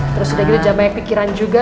terus udah gitu jam banyak pikiran juga